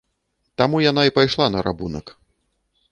Таму яна і пайшла на рабунак.